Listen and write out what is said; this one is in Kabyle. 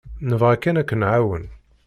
Nebɣa kan ad k-nɛawen.